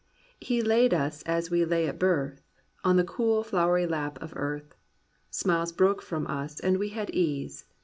He laid us as we lay at birth On the cool flowery lap of earth, Smiles broke from us and we had ease.